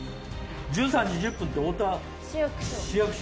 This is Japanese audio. １３時１０分って大田市役所。